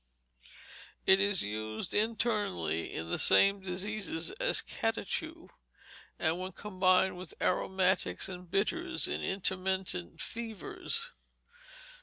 It is used internally in the same diseases as catechu, and when combined with aromatics and bitters, in intermittent fevers.